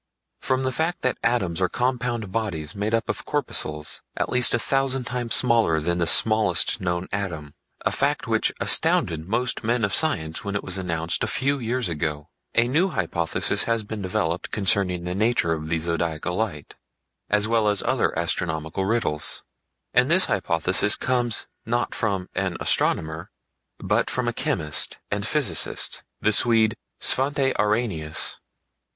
From the fact that atoms are compound bodies made up of corpuscles at least a thousand times smaller than the smallest known atom—a fact which astounded most men of science when it was announced a few years ago—a new hypothesis has been developed concerning the nature of the Zodiacal Light (as well as other astronomical riddles), and this hypothesis comes not from an astronomer, but from a chemist and physicist, the Swede, Svante Arrhenius.